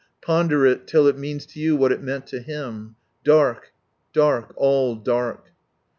Ponder it till it means to you what it meant to him — "Dark, dark, all dark."